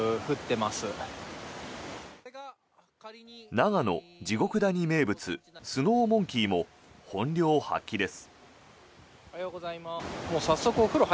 長野・地獄谷名物スノーモンキーも本領発揮です。